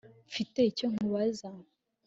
Mfite icyo nkubaza